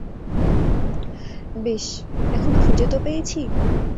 বেশ, এখন খুঁজে তো পেয়েছি।